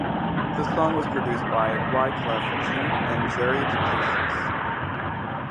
The song was produced by Wyclef Jean and Jerry Duplessis.